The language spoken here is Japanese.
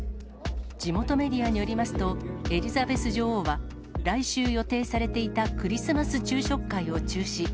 地元メディアによりますと、エリザベス女王は、来週予定されていたクリスマス昼食会を中止。